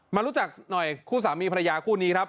มารู้จักหน่อยคู่สามีภรรยาคู่นี้ครับ